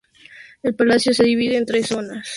El palacio se divide en tres zonas.